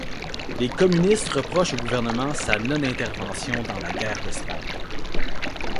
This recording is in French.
Les communistes reprochent au gouvernement sa non-intervention dans la guerre d'Espagne.